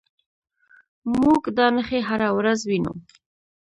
موږ دا نښې هره ورځ وینو.